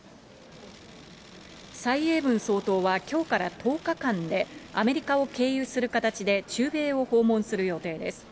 蔡英文総統はきょうから１０日間で、アメリカを経由する形で中米を訪問する予定です。